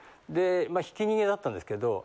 まあひき逃げだったんですけど。